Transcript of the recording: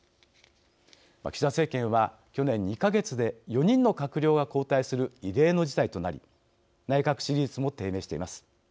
岸田政権は、去年、２か月で４人の閣僚が交代する異例の事態となり内閣支持率も低迷しています。